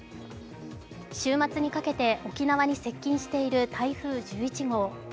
週末にかけて沖縄に接近している台風１１号。